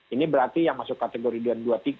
ini berarti yang masuk kategori dua puluh tiga ya